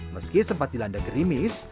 meski sempat dilanda gerimis